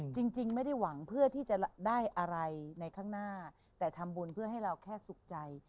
จริงไม่ได้หวังเพื่อที่จะได้อะไรในข้างหน้าแต่ทำบุญเพื่อให้เราแค่สุขใจ